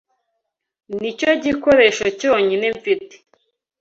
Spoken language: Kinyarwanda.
Nicyo gikoresho cyonyine mfite.